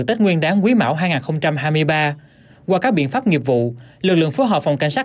tết nguyên đáng quý mão hai nghìn hai mươi ba qua các biện pháp nghiệp vụ lực lượng phối hợp phòng cảnh sát